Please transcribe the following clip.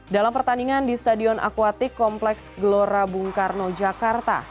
dalam pertandingan di stadion akuatik kompleks gelora bung karno jakarta